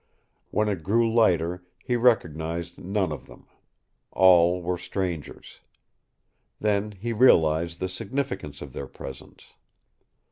When it grew lighter he recognized none of them. All were strangers. Then he realized the significance of their presence.